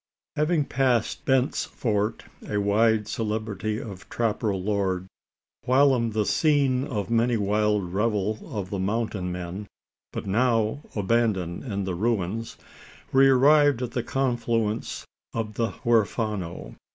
Having passed Bent's Fort of wide celebrity in trapper lore whilom the scene of many a wild revel of the "mountain men," but now abandoned and in ruins we arrived at the confluence of the Huerfano.